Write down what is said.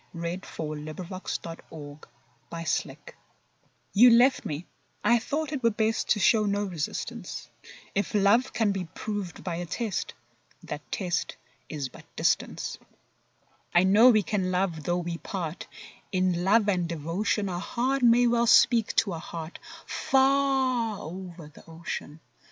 t47] SONGS AND DREAMS You Left Me You left me—I thought it were best To show no resistance; If love can be proved by a test — That test is but distance. I know we can love though we part; In love and devotion A heart may well speak to a heart Far over the ocean.